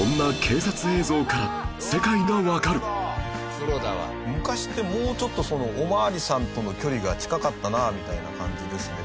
そんな昔ってもうちょっとお巡りさんとの距離が近かったなみたいな感じですね。